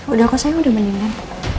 udah kok saya udah mendingan